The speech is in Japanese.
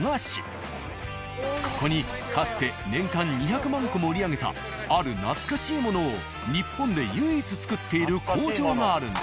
ここにかつて年間２００万個も売り上げたある懐かしいものを日本で唯一作っている工場があるんです。